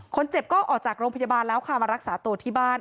คนเจ็บก็ออกจากโรงพยาบาลแล้วค่ะมารักษาตัวที่บ้าน